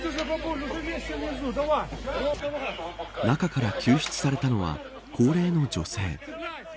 中から救出されたのは高齢の女性。